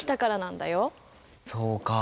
そうか。